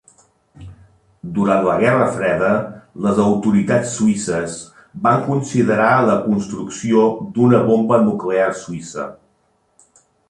Durant la Guerra Freda, les autoritats suïsses van considerar la construcció d'una bomba nuclear suïssa.